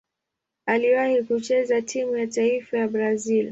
Aliwahi kucheza timu ya taifa ya Brazil.